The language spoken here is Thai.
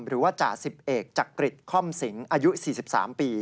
หรือว่าจ่าสิบเอกจักริจค่อมสิงอายุ๔๓ปี